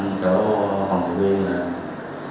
như thế nào